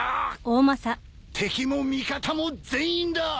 敵も味方も全員だ！